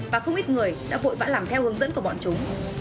và không ít người đã vội vã làm theo hướng dẫn của bọn chúng